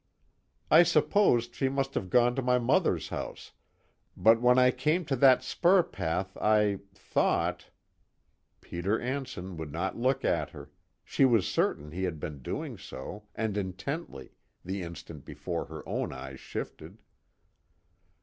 _ "I supposed she must have gone to my mother's house, but when I came to that spur path I thought " Peter Anson would not look at her; she was certain he had been doing so, and intently, the instant before her own eyes shifted.